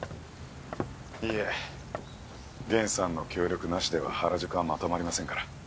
いいえゲンさんの協力なしでは原宿はまとまりませんから。